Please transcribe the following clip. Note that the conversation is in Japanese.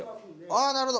ああなるほど。